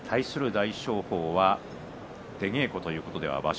大翔鵬は出稽古ということでは場所